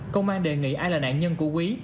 công an đề nghị ai là nạn nhân của quý